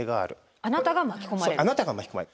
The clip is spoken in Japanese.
あなたが巻き込まれる。